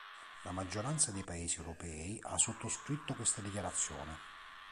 La maggioranza dei paesi europei ha sottoscritto questa dichiarazione.